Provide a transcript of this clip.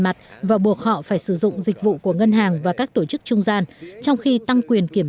mặt và buộc họ phải sử dụng dịch vụ của ngân hàng và các tổ chức trung gian trong khi tăng quyền kiểm